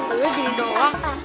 guru gini doang